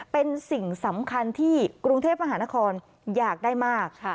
เป็นสิ่งสำคัญที่กรุงเทพมหานครอยากได้มาก